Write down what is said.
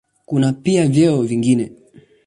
Kuna pia vyeo vingine.